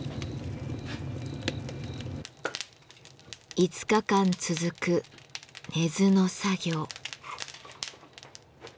５日間続く寝ずの作業。